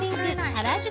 原宿